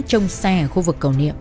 trong xe khu vực cầu niệm